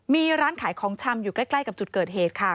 มีร้านขายของชำอยู่ใกล้กับจุดเกิดเหตุค่ะ